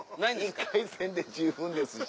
１回戦で十分ですし。